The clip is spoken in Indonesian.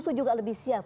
musuh juga lebih siap